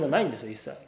一切。